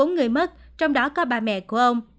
sáu người mất trong đó có ba mẹ của ông